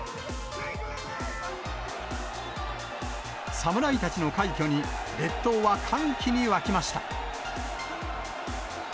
侍たちの快挙に、列島は歓喜に沸きました。